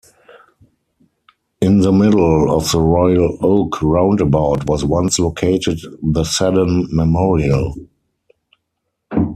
In the middle of the Royal Oak Roundabout was once located the Seddon Memorial.